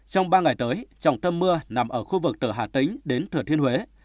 trong ba ngày tới trọng tâm mưa nằm ở khu vực từ hà tĩnh đến thừa thiên huế